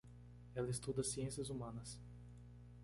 Ela estuda Ciências Humanas.